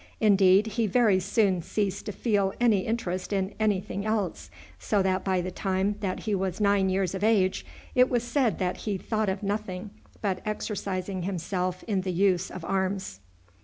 Indeed, he very soon ceased to feel any interest in any thing else, so that by the time that he was nine years of age it was said that he thought of nothing but exercising himself in the use of arms.